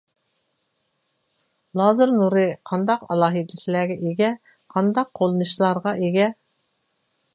لازېر نۇرى قانداق ئالاھىدىلىكلەرگە ئىگە؟ قانداق قوللىنىشلارغا ئىگە؟